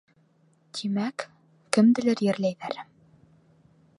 Тимәк, кемделер ерләйҙәр.